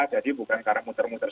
jadi bukan karena muter muter saya